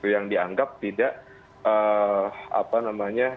yang dianggap tidak menjawab permasalahan di papua